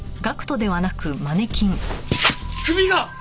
首が！